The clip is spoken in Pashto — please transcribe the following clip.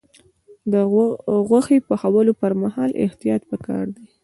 د غوښې پخولو پر مهال احتیاط پکار دی.